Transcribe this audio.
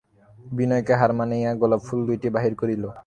বিনয়কে হার মানাইয়া গোলাপ ফুল দুইটি বাহির করিল।